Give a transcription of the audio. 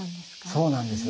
そうなんです。